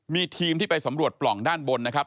มีทีมที่ไปสำรวจปล่องด้านบนนะครับ